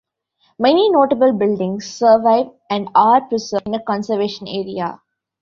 Many notable buildings survive and are preserved in a conservation area.